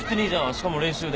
しかも練習で。